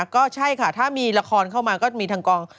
ก็ใช่ค่ะถ้ามีละครเข้ามาก็มีทางกอง